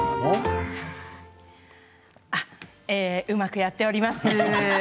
うまくやっております。